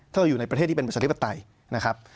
ถ้าเราอยู่ในประเทศที่เป็นประชาธิปไตยนะครับ